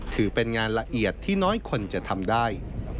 ถือเป็นงานละเอียดที่น้อยคนจะทำได้